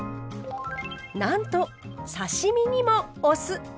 なんと刺身にもお酢。